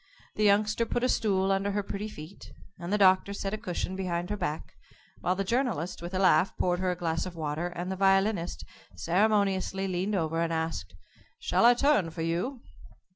The Youngster put a stool under her pretty feet, and the Doctor set a cushion behind her back, while the Journalist, with a laugh, poured her a glass of water, and the Violinist ceremoniously leaned over, and asked, "Shall I turn for you?"